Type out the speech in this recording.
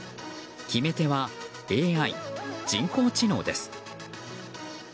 決め手は、ＡＩ・人工知能です。